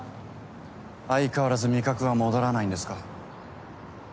相変わらず味覚は戻らないんですか？